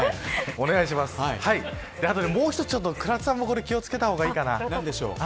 もう一つ倉田さんも気を付けたほうがいいかな。